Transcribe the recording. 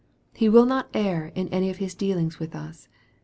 He will not err in any of His dealings with us.